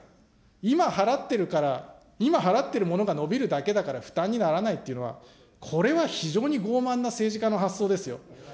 今、払ってるから、今払ってるものが伸びるだけだから、負担にならないっていうのは、これは非常にごう慢な政治家の発想ですよ。